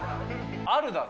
あるだろ。